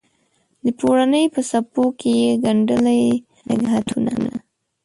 د پوړنې په څپو کې یې ګنډلي نګهتونه